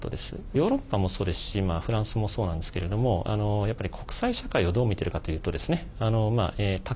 ヨーロッパもそうですしフランスもそうなんですけれどもやっぱり、国際社会をどう見てるかというとですね